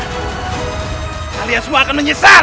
kalian semua akan menyesal